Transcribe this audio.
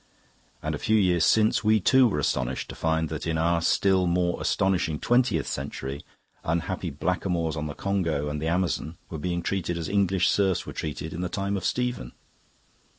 And a few years since we too were astonished to find that in our still more astonishing twentieth century, unhappy blackamoors on the Congo and the Amazon were being treated as English serfs were treated in the time of Stephen.